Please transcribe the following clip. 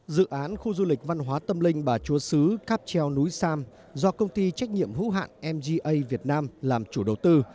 dự án khu du lịch văn hóa tâm linh bà chúa sứ cáp treo núi sam do công ty trách nhiệm hữu hạn mga việt nam làm chủ đầu tư